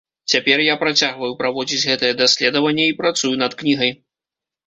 Цяпер я працягваю праводзіць гэтае даследаванне і працую над кнігай.